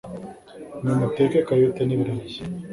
mwe muteke kayote n'ibirayi